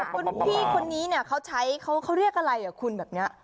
คุณพี่คนนี้เนี่ยเขาใช้เขาเรียกอะไรคุณแบบนี้